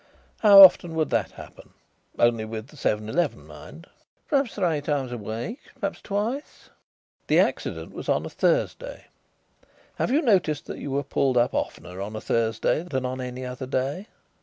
How often would that happen only with the seven eleven, mind." "Perhaps three times a week; perhaps twice." "The accident was on a Thursday. Have you noticed that you were pulled up oftener on a Thursday than on any other day?"